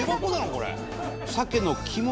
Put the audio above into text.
これ。